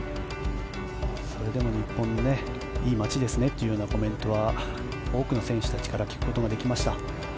それでも日本のいい街ですねというコメントは多くの選手たちから聞くことができました。